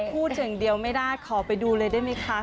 พูดอย่างเดียวไม่ได้ขอไปดูเลยได้ไหมคะ